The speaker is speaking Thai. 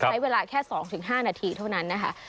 ใช้เวลาแค่๒๕นาทีเท่านั้นนะคะ